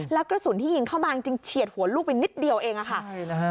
แล้วกระสุนที่ยิงเข้ามาจริงเฉียดหัวลูกไปนิดเดียวเองอะค่ะ